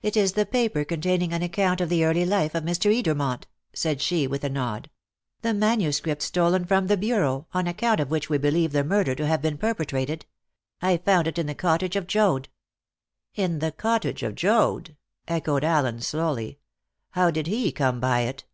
"It is the paper containing an account of the early life of Mr. Edermont," said she, with a nod; "the manuscript stolen from the bureau, on account of which we believe the murder to have been perpetrated. I found it in the cottage of Joad." "In the cottage of Joad?" echoed Allen slowly. "How did he come by it?"